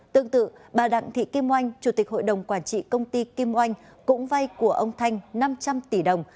tương tự bà đặng thị kim oanh chủ tịch hội đồng quản trị công ty kim oanh cũng vay của ông thanh năm trăm linh tỷ đồng